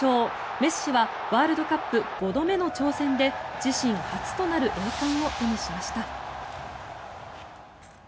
メッシはワールドカップ５度目の挑戦で自身初となる栄冠を手にしました。